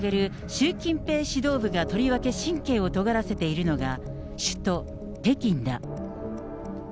習近平指導部がとりわけ神経をとがらせているのが、首都・北京だ。